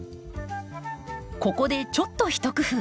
ここでちょっと一工夫。